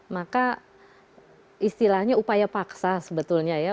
maka istilahnya upaya paksa sebetulnya ya